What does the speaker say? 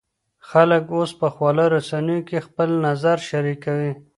خلک اوس په خواله رسنیو کې خپل نظر شریکوي.